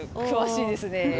詳しいですね。